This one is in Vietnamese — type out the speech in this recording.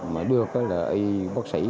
mà đưa cái là y bác sĩ